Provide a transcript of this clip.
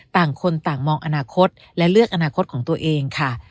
ต่างคนต่างมองอนาคตและเลือกอนาคตของตัวเองค่ะ